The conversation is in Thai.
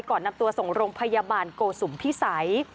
ก่อนนำตัวส่งโรงพยาบาลโกสุมพิสัย